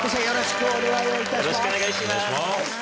よろしくお願いします。